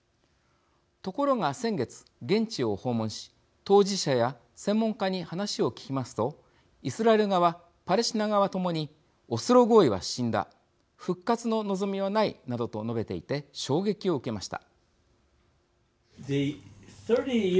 ところが先月現地を訪問し当事者や専門家に話を聞きますとイスラエル側パレスチナ側ともにオスロ合意は死んだ復活の望みはないなどと述べていて衝撃を受けました。